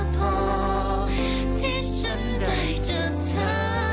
พอที่ฉันไปจากเธอ